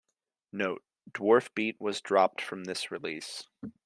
Note: "Dwarfbeat" was dropped from this release.